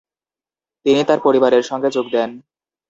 তিনি তার পরিবারের সঙ্গে যোগ দেন।